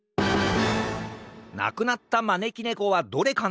なくなったまねきねこはどれかな？